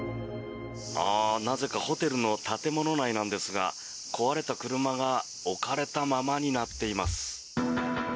なぜかホテルの建物内なんですが壊れた車が置かれたままになっています。